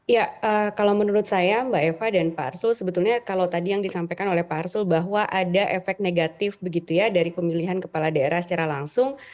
ya kalau menurut saya mbak eva dan pak arsul sebetulnya kalau tadi yang disampaikan oleh pak arsul bahwa ada efek negatif begitu ya dari pemilihan kepala daerah secara langsung